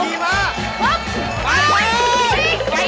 เอ้าตั้งไป